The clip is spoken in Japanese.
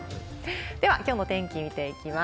では、きょうの天気見ていきます。